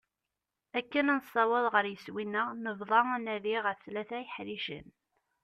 Akken ad nessaweḍ ɣer yiswi-nneɣ nebḍa anadi ɣef tlata yeḥricen.